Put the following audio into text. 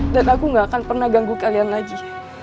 dan aku gak akan pernah ganggu kalian lagi